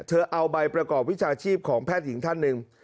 เอาใบประกอบวิชาชีพของแพทย์หญิงท่านหนึ่ง